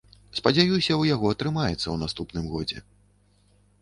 Спадзяюся, у яго атрымаецца ў наступным годзе.